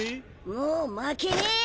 もう負けねぇよ！